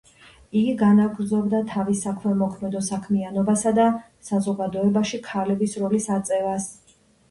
იგი განაგრძობდა თავის საქველმოქმედო საქმიანობასა და საზოგადოებაში ქალების როლის აწევას.